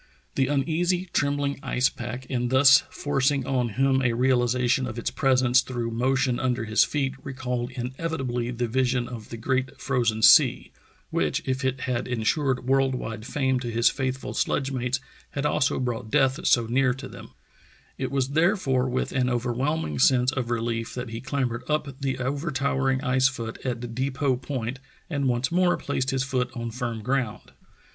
The uneasy, trembhng ice pack in thus forcing on him a realization of its presence through motion under his feet recalled inevitabl}'' the vision of the Great Frozen Sea, which if it had insured world wide fame to his faithful sledge mates had also brought death so near to them. Parr's Lonely March 263 It was therefore with an overwhelming sense of re lief that he clambered up the overtowering ice foot at Depot Point and once more placed his foot on hrm ground.